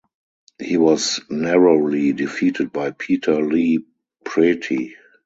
He was narrowly defeated by Peter Li Preti.